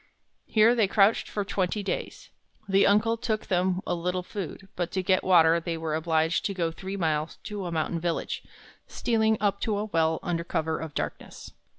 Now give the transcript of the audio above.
Here they crouched for twenty days. The uncle took them a little food, but to get water they were obliged to go three miles to a mountain village, stealing up to a well under cover of darkness.